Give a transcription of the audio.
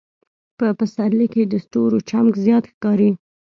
په پسرلي کې د ستورو چمک زیات ښکاري.